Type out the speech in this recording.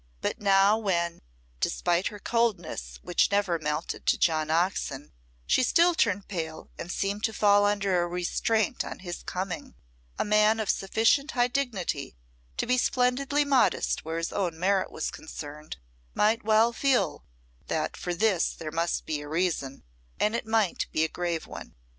But now when, despite her coldness, which never melted to John Oxon, she still turned pale and seemed to fall under a restraint on his coming, a man of sufficient high dignity to be splendidly modest where his own merit was concerned, might well feel that for this there must be a reason, and it might be a grave one.